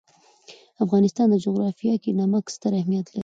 د افغانستان جغرافیه کې نمک ستر اهمیت لري.